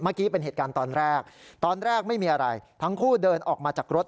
เมื่อกี้เป็นเหตุการณ์ตอนแรกตอนแรกไม่มีอะไรทั้งคู่เดินออกมาจากรถ